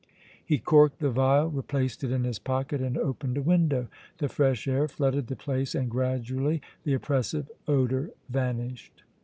He corked the vial, replaced it in his pocket and opened a window. The fresh air flooded the place and gradually the oppressive odor vanished.